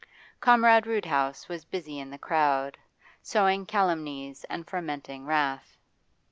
Comrade Roodhouse was busy in the crowd, sowing calumnies and fermenting wrath.